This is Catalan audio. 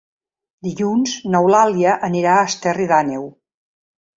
Dilluns n'Eulàlia anirà a Esterri d'Àneu.